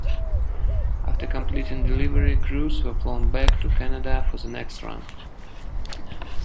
After completing delivery, crews were flown back to Canada for the next run.